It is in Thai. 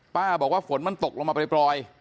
บอกว่าฝนมันตกลงมาปล่อย